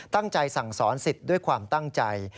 ตั้งใจสั่งสอนสิทธิ์ด้วยความตั้งใจ